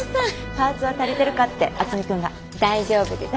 パーツは足りてるかって渥美君が。大丈夫です。